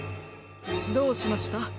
どうしました？